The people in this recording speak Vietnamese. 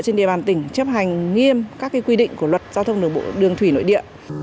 trên địa bàn tỉnh chấp hành nghiêm các quy định của luật giao thông đường thủy nội địa